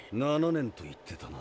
７年と言ってたな。